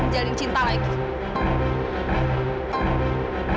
apalagi artinya kalau bukan untuk mama